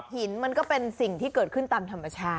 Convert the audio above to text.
หินมันก็เป็นสิ่งที่เกิดขึ้นตามธรรมชาติ